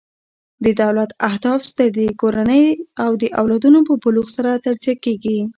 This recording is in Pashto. د دولت اهداف ستر دي؛ کورنۍ د او لادونو په بلوغ سره تجزیه کیږي.